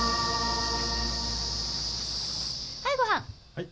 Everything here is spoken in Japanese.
はい。